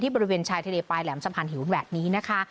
บริเวณชายทะเลปลายแหลมสะพานหิวแหวดนี้นะคะ